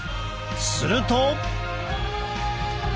すると。